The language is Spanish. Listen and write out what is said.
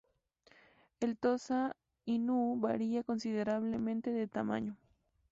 El Tosa Inu varía considerablemente de tamaño.